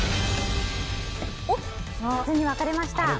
２つに分かれました。